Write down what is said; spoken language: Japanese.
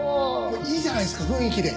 いいじゃないですか雰囲気で。